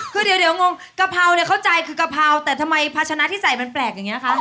คือเดี๋ยวงงกะเพราเนี่ยเข้าใจคือกะเพราแต่ทำไมภาชนะที่ใส่มันแปลกอย่างนี้คะ